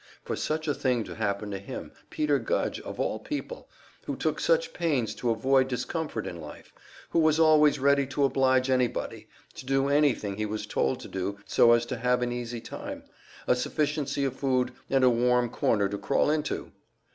For such a thing to happen to him, Peter Gudge, of all people who took such pains to avoid discomfort in life, who was always ready to oblige anybody, to do anything he was told to do, so as to have'an easy time, a sufficiency of food, and a warm corner to crawl into!